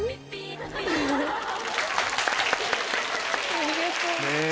ありがとう！